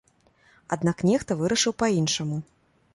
Аднак нехта вырашыў па-іншаму.